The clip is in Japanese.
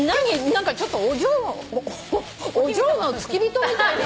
何かちょっとお嬢お嬢の付き人みたい。